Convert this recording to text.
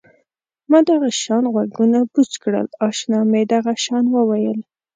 ما دغه شان غوږونه بوڅ کړل اشنا مې دغه شان وویل.